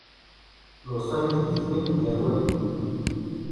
Lewṣayat-ik zgant gar wallen-iw.